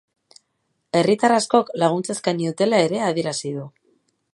Herritar askok laguntza eskaini dutela ere adierazi du.